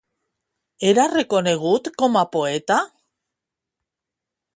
Era reconegut com a poeta?